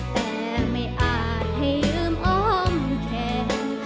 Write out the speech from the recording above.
แต่ไม่อาจให้ลืมอ้อมแข่ง